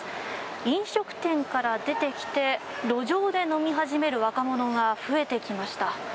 飲食店から出てきて路上で飲み始める若者が増えてきました。